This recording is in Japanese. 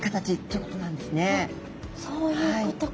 そういうことか。